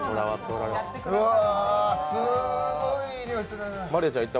すごいいいにおいするな。